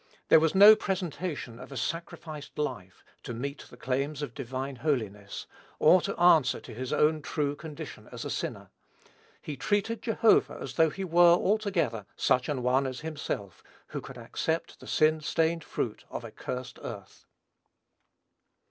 There was no presentation of a sacrificed life, to meet the claims of divine holiness, or to answer to his own true condition as a sinner. He treated Jehovah as though he were, altogether, such an one as himself, who could accept the sin stained fruit of a cursed earth.